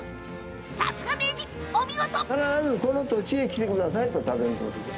さすが名人、お見事！